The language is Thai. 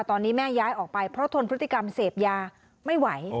ตอนนี้แม่ย้ายออกไปเพราะทนพฤติกรรมเสพยาไม่ไหว